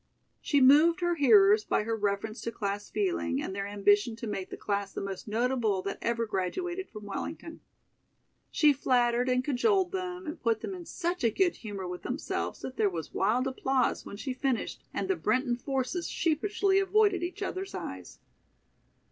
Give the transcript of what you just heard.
She moved her hearers by her reference to class feeling and their ambition to make the class the most notable that ever graduated from Wellington. She flattered and cajoled them and put them in such a good humor with themselves that there was wild applause when she finished and the Brinton forces sheepishly avoided each other's eyes.